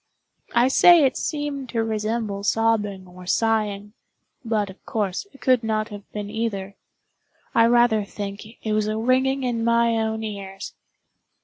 I say it seemed to resemble sobbing or sighing—but, of course, it could not have been either. I rather think it was a ringing in my own ears.